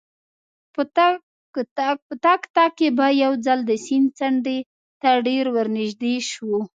په تګ تګ کې به یو ځل د سیند څنډې ته ډېر ورنژدې شوو.